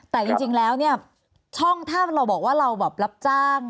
แต่จริงแล้วเนี่ยช่องถ้าเราบอกว่าเราแบบรับจ้าง